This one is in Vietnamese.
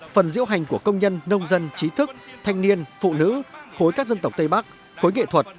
phần diễu hành của công nhân nông dân trí thức thanh niên phụ nữ khối các dân tộc tây bắc khối nghệ thuật